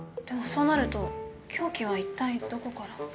でもそうなると凶器はいったいどこから。